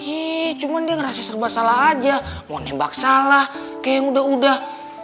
ih cuma dia ngerasa serba salah aja mau nembak salah kayak yang udah udah